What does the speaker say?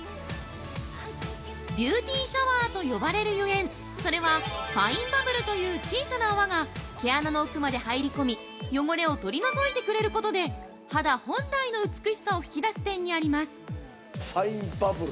◆ビューティーシャワーと呼ばれるゆえん、それはファインバブルという小さな泡が毛穴の奥まで入り込み汚れを取り除いてくれることで肌本来の美しさを引き出す点にあります。